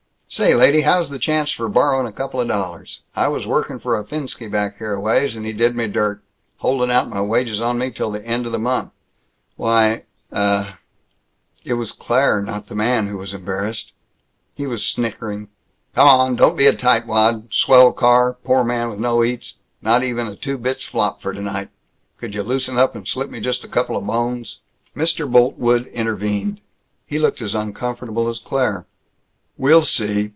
"Say, lady, how's the chance for borrowin' a couple of dollars? I was workin' for a Finnski back here a ways, and he did me dirt holdin' out my wages on me till the end of the month." "Why, uh " It was Claire, not the man, who was embarrassed. He was snickering, "Come on, don't be a tightwad. Swell car poor man with no eats, not even a two bits flop for tonight. Could yuh loosen up and slip me just a couple bones?" Mr. Boltwood intervened. He looked as uncomfortable as Claire. "We'll see.